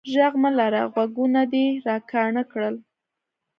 ږغ مه لره، غوږونه دي را کاڼه کړل.